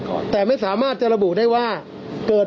ออกก็ได้อีกค่ะถ้าเติบแรกฐานหรือไม่ได้เนี้ย